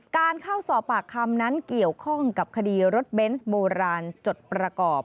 การเข้าสอบปากคำนั้นเกี่ยวข้องกับคดีรถเบนส์โบราณจดประกอบ